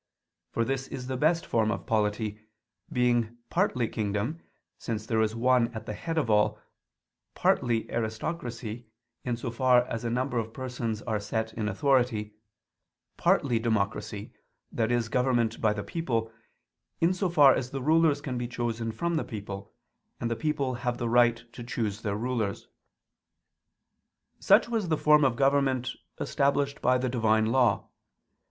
For this is the best form of polity, being partly kingdom, since there is one at the head of all; partly aristocracy, in so far as a number of persons are set in authority; partly democracy, i.e. government by the people, in so far as the rulers can be chosen from the people, and the people have the right to choose their rulers. Such was the form of government established by the Divine Law.